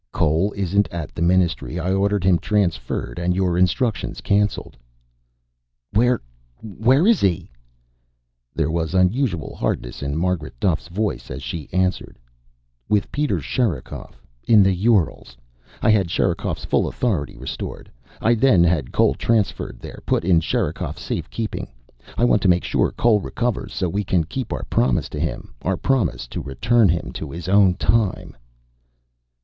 _" "Cole isn't at the Ministry. I ordered him transferred and your instructions cancelled." "Where where is he?" There was unusual hardness in Margaret Duffe's voice as she answered. "With Peter Sherikov. In the Urals. I had Sherikov's full authority restored. I then had Cole transferred there, put in Sherikov's safe keeping. I want to make sure Cole recovers, so we can keep our promise to him our promise to return him to his own time."